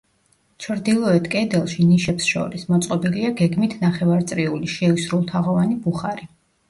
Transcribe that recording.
ჩრდილოეთ კედელში, ნიშებს შორის, მოწყობილია გეგმით ნახევარწრიული, შეისრულთაღოვანი ბუხარი.